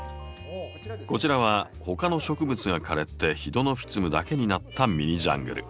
こちらは他の植物が枯れてヒドノフィツムだけになったミニジャングル。